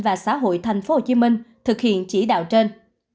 và xã hội tp hcm thực hiện chỉ đạo trên